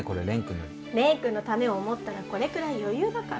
蓮くんのためを思ったらこれくらい余裕だから。